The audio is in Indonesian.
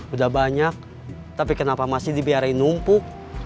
udah banyak tapi kenapa masih dibiarin numpuk